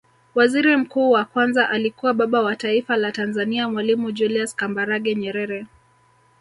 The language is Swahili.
Waziri Mkuu wa Kwanza alikuwa Baba wa Taifa la Tanzania mwalimu Julius Kambarage Nyerere